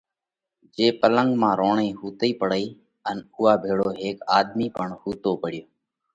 جي پلنڳ مانه روڻئِي ۿُوتئِي پڙئيه ان اُوئا ڀيۯو هيڪ آۮمِي پڻ ۿُوتو پڙيوه۔